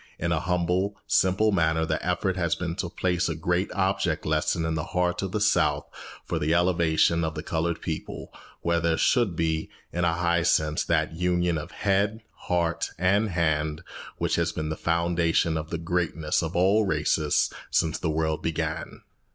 In a humble, simple manner the effort has been to place a great object lesson in the heart of the South for the elevation of the coloured people, where there should be, in a high sense, that union of head, heart, and hand which has been the foundation of the greatness of all races since the world began.